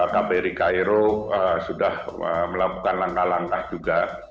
kbri cairo sudah melakukan langkah langkah juga